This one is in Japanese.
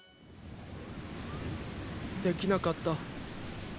できなかった。